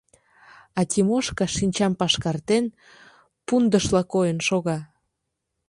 А Тимошка, шинчам пашкартен, пундышла койын шога.